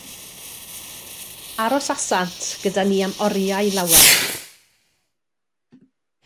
Arosasant gyda ni am oriau lawer.